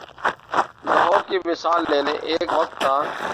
لاہور کی مثال لے لیں، ایک وقت تھا۔